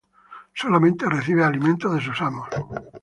Solamente recibe alimento de sus amos.